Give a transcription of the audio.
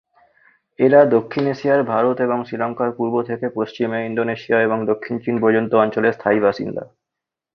এরা দক্ষিণ এশিয়ার ভারত এবং শ্রীলংকার পূর্ব থেকে পশ্চিমে ইন্দোনেশিয়া এবং দক্ষিণ চীন পর্যন্ত অঞ্চলের স্থায়ী বাসিন্দা।